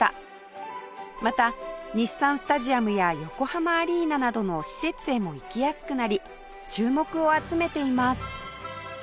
また日産スタジアムや横浜アリーナなどの施設へも行きやすくなり注目を集めています